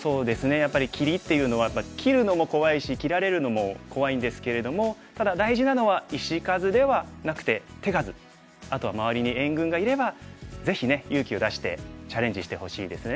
やっぱり切りっていうのは切るのも怖いし切られるのも怖いんですけれどもただ大事なのはあとは周りに援軍がいればぜひね勇気を出してチャレンジしてほしいですね。